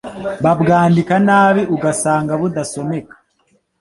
babwandika nabi ugasanga budasomeka